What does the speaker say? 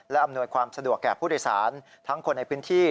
และอำนวยความสะดวกแก่ผู้โดยสารทั้งคนในพื้นที่